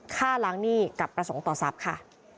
ฆ่าล้างหนี้กับประสงค์ต่อทรัพย์ค่ะ